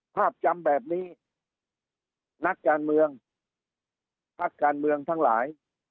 ภาพจำแบบนี้นักการเมืองพักการเมืองทั้งหลาย